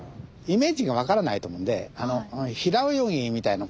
イメージがわからないと思うんで平泳ぎみたいな。